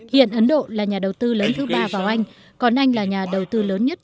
hiện ấn độ là nhà đầu tư lớn thứ ba vào anh còn anh là nhà đầu tư lớn nhất